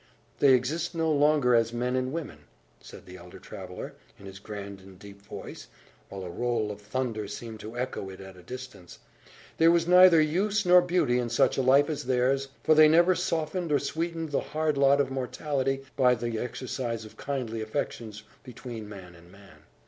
"They exist no longer as men and women," said the elder traveller, in his grand and deep voice, while a roll of thunder seemed to echo it at a distance. "There was neither use nor beauty in such a life as theirs; for they never softened or sweetened the hard lot of mortality by the exercise of kindly affections between man and man.